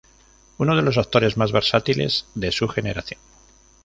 Uno de los actores más versátiles de su generación.